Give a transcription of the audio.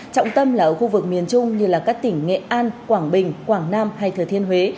trọng tâm là ở khu vực miền trung như các tỉnh nghệ an quảng bình quảng nam hay thừa thiên huế